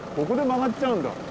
ここで曲がっちゃうんだ。